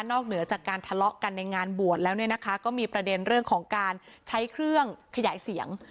เหนือจากการทะเลาะกันในงานบวชแล้วเนี่ยนะคะก็มีประเด็นเรื่องของการใช้เครื่องขยายเสียง